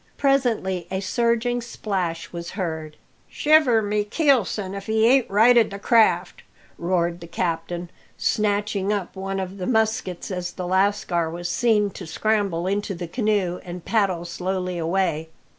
Presently a surging splash was heard. "Shiver my keelson if he ain't righted the craft!" roared the captain, snatching up one of the muskets as the lascar was seen to scramble into the canoe and paddle slowly away.